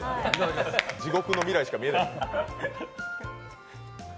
地獄の未来しか見えない。